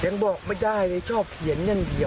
ยังบอกไม่ได้เลยชอบเขียนอย่างเดียว